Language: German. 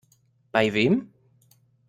Bei wem?